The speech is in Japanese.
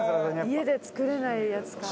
家で作れないやつか。